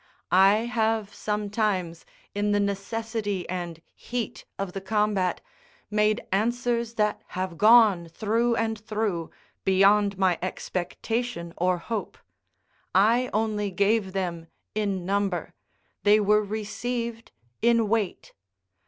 I have sometimes, in the necessity and heat of the combat, made answers that have gone through and through, beyond my expectation or hope; I only gave them in number, they were received in weight.